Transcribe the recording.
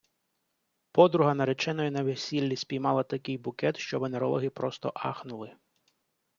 Подруга нареченої на весіллі спіймала такий букет, що венерологи просто ахнули!